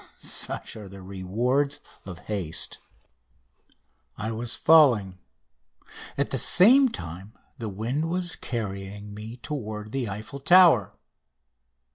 Such are the rewards of haste. I was falling. At the same time the wind was carrying me toward the Eiffel Tower.